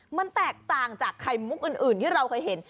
มันแตกต่างจากไข่มุกอื่นที่เราเคยเห็น